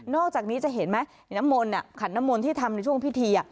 นอกจากนี้จะเห็นไหมขันน้ำมนที่ทำในช่วงพิธี